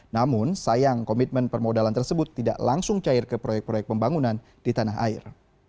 namun sayang komitmen permodalan tersebut tidak langsung cair ke proyek proyek pembangunan di tanah air